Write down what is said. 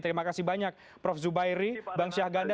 terima kasih banyak prof zubairi bang syahganda